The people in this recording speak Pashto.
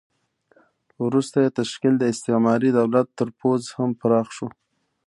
وروسته یې تشکیل د استعماري دولت تر پوځ هم پراخ شو.